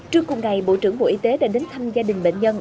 trước cùng ngày bộ trưởng bộ y tế đã đến thăm gia đình bệnh nhân